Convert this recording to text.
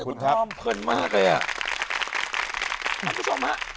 ขอบคุณคุณทอมเพื่อนมากเลยอะ